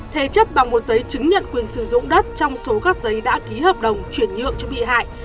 thế chấp bằng một giấy chứng nhận quyền sử dụng đất trong số các giấy đã ký hợp đồng chuyển nhượng cho bị hại